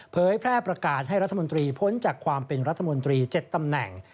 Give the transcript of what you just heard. แพร่ประกาศให้รัฐมนตรีพ้นจากความเป็นรัฐมนตรี๗ตำแหน่ง